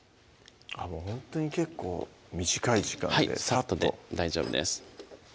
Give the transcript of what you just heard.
ほんとに結構短い時間でさっとで大丈夫です